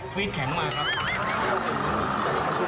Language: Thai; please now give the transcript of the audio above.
ฟีดแข็งมากครับ